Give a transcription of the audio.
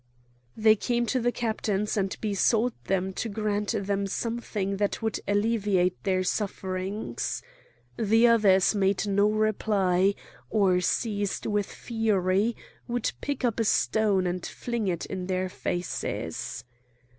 They came to the captains and besought them to grant them something that would alleviate their sufferings. The others made no reply; or, seized with fury, would pick up a stone and fling it in their faces.